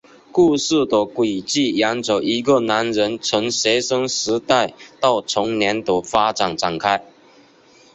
故事的轨迹沿着一个男人从学生时代到成年的发展展开。